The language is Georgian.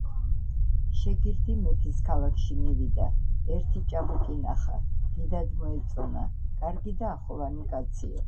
შეგირდი მეფის ქალაქში მივიდა. ერთი ჭაბუკი ნახა, დიდად მოეწონა, კარგი და ახოვანი კაცი იყო